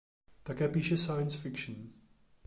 Také píše science fiction.